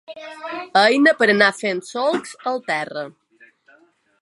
Eina per anar fent solcs al terra.